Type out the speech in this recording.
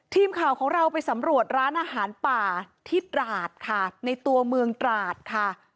ทีมข่าวของเราไปสำรวจร้านอาหารป่าที่ตราดค่ะในตัวเมืองตราดค่ะ